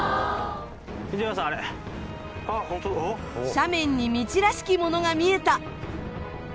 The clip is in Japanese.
斜面に道らしきものが見えた。